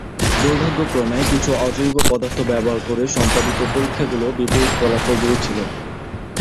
দুর্ভাগ্যক্রমে, কিছু অজৈব পদার্থ ব্যবহার করে সম্পাদিত পরীক্ষাগুলি বিপরীত ফলাফল দিয়েছিল।